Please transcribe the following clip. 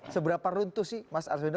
seberapa runtuh sih mas arzwenda